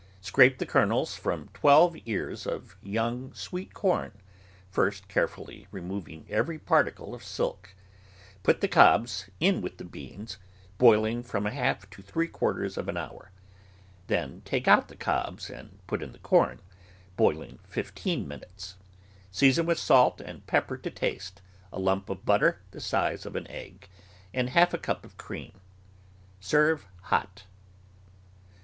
Scrape the kernels from twelve ears of young, sweet corn, first carefully removing every particle of silk; put the cobs in with the beans, boiling from a half to three quarters of an hour. Then take out the cobs and put in the corn, boiling fifteen minutes. Season with salt and pepper to taste, a lump of butter the size of an eggy and half a cup of cream. Serve hot.